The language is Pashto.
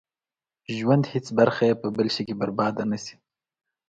ژوند هېڅ برخه يې په بل شي کې برباده نه شي.